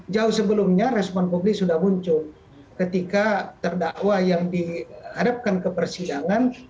jauh sebelumnya respon publik sudah muncul ketika terdakwa yang dihadapkan ke persidangan